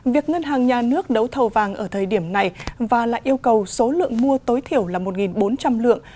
việc ngân hàng nhà nước đấu thầu vàng ở thời điểm này và lại yêu cầu số lượng mua tối thiểu là một bốn trăm linh lượng